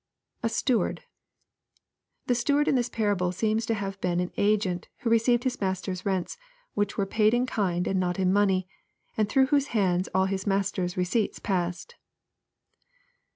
[A steward.'] The steward in this parable seems to have been an agent, who received his master's rents, which were paid in kind and not. in money, and through whose hands all his master's re ceipts passed.